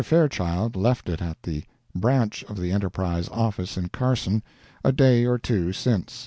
Fairchild left it at the 'branch of the ENTERPRISE office in Carson, a day or two since.